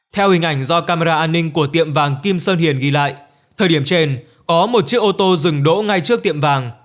theo hình ảnh do camera an ninh của tiệm vàng kim sơn hiền ghi lại thời điểm trên có một chiếc ô tô dừng đỗ ngay trước tiệm vàng